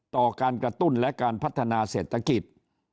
ต่อการกระตุ้นและการพัฒนาเศรษฐกิจ